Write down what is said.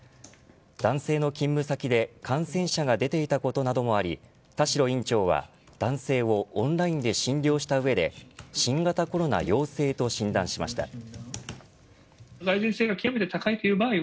男性の勤務先で感染者が出ていたことなどもあり田代院長は男性をオンラインで診療した上で新型コロナ陽性と診断しました。